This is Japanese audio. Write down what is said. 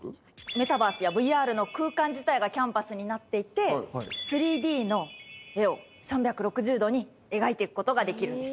メタバースやＶＲの空間自体がキャンバスになっていて３Ｄの絵を３６０度に描いていく事ができるんです。